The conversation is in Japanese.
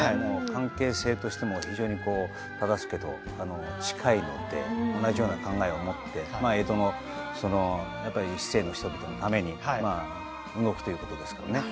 関係性としても忠相と近いので同じような考え方を持って江戸の市井の人のために動くということですよね。